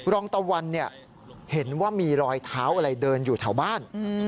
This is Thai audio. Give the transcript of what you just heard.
รองตะวันเห็นว่ามีรอยเท้าอะไรเดินอยู่แถวบ้าน